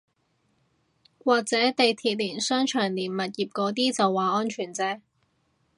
或者地鐵連商場連物業嗰啲就話安全啫